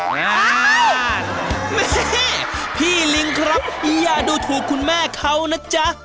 งานแม่พี่ลิงครับอย่าดูถูกคุณแม่เขานะจ๊ะ